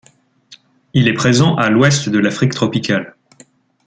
Il est présent à l’ouest de l’Afrique tropicale.